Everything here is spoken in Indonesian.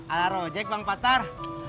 alah rojek bang patar